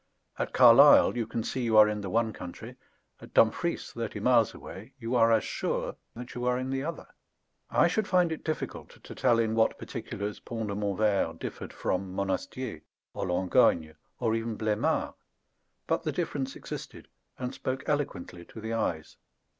At Carlisle you can see you are in the one country; at Dumfries, thirty miles away, you are as sure that you are in the other. I should find it difficult to tell in what particulars Pont de Montvert differed from Monastier or Langogne, or even Bleymard; but the difference existed, and spoke eloquently to the eyes.